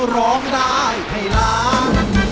ร้องได้ให้ล้าน